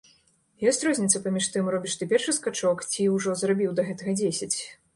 Ёсць розніца паміж тым, робіш ты першы скачок ці ўжо зрабіў да гэтага дзесяць?